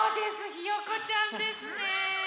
ひよこちゃんですね。